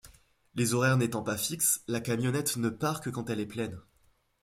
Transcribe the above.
Les horaires n'étant pas fixes, la camionnette ne part que quand elle est pleine.